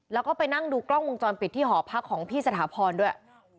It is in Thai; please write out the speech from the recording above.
แล้วก็ไปนั่งดูกล้องวงจรปิดที่หอพักของพี่สถาพรด้วย